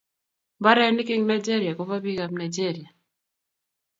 Mbarenik en nigeria ko ba pik ab nigeria